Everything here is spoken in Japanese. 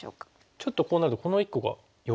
ちょっとこうなるとこの１個が弱いですよね。